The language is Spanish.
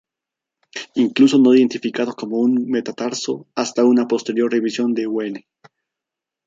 Incluso no identificado como un metatarso hasta una posterior revisión de Huene.